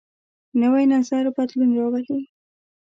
نوی نظر بدلون راولي